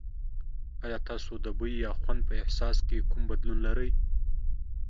ایا تاسو د بوی یا خوند په احساس کې کوم بدلون لرئ؟